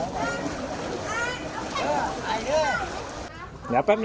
อร่อยหนักหวีกแซม